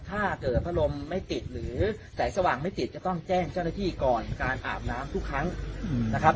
ถ้าเกิดพัดลมไม่ติดหรือแสงสว่างไม่ติดจะต้องแจ้งเจ้าหน้าที่ก่อนการอาบน้ำทุกครั้งนะครับ